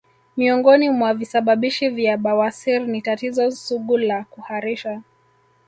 Miongoni mwa visababishi vya bawasir ni tatizo sugu la kuharisha